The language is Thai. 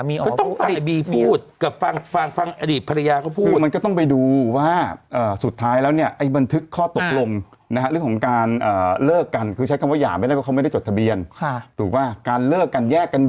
มันเป็นอะไรกับการทุบนะอีบาเนี่ยเนาะ